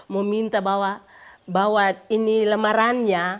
meminta bahwa ini lemarannya